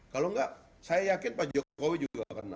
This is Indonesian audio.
kalau nggak saya yakin pak jokowi juga kena